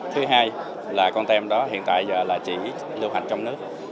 thứ hai là con tem đó hiện tại giờ là chỉ lưu hành trong nước